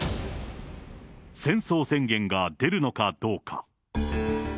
戦争宣言が出るのかどうか。